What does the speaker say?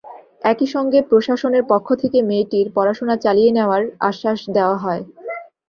একই সঙ্গে প্রশাসনের পক্ষ থেকে মেয়েটির পড়াশোনা চালিয়ে নেওয়ার আশ্বাস দেওয়া হয়।